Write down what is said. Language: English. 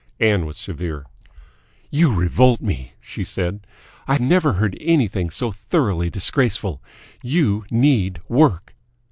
Ann was severe. "You revolt me!" she said. "I never heard anything so thoroughly disgraceful. You need work!"